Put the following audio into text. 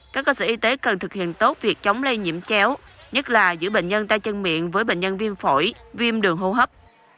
các cơ sở y tế cần thực hiện tốt việc chống lây nhiễm chéo nhất là giữ bệnh nhân tay chân miệng với bệnh nhân viêm phổi viêm đường hô hấp